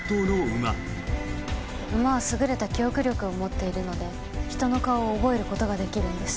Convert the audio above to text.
馬は優れた記憶力を持っているので人の顔を覚えることができるんです。